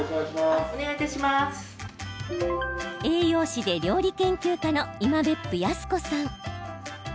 栄養士で料理研究家の今別府靖子さん。